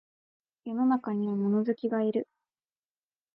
世の中には物好きがいる